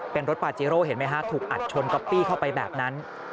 เป็นรถปาเจโร่เห็นไหมฮะถูกอัดชนก๊อปปี้เข้าไปแบบนั้น